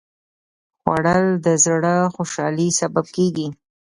خوړل د زړه خوشالي سبب کېږي